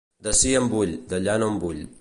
D'ací en vull, d'allà no en vull.